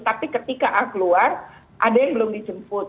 tapi ketika a keluar ada yang belum dijemput